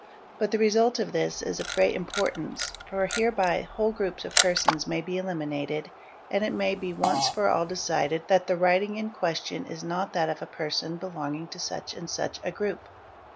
But the result of this is of great importance, for hereby whole groups of persons may be eliminated and _ it may be once for all decided that the writing in question is not that of a person belonging to such and such a group.